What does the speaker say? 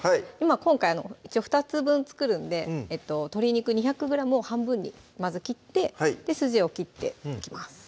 今回一応２つ分作るんで鶏肉２００ｇを半分にまず切って筋を切っていきます